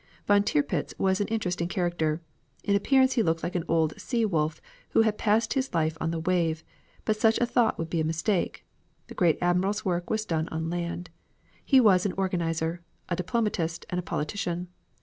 Von Tirpitz was an interesting character. In appearance he looked like an old sea wolf who had passed his life on the wave, but such a thought would be a mistake. The great admiral's work was done on land; he was an organizer, a diplomatist, and a politician.